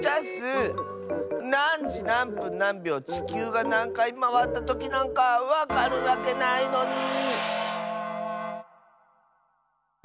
なんじなんぷんなんびょうちきゅうがなんかいまわったときなんかわかるわけないのに。